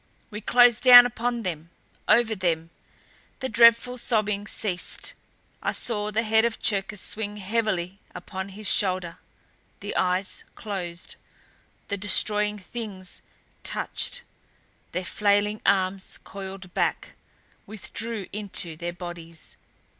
We closed down upon them over them! The dreadful sobbing ceased. I saw the head of Cherkis swing heavily upon a shoulder; the eyes closed. The Destroying Things touched. Their flailing arms coiled back, withdrew into their bodies.